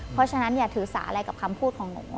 เพราะฉะนั้นอย่าถือสาอะไรกับคำพูดของหนู